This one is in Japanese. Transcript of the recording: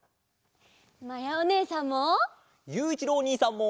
まやおねえさんも！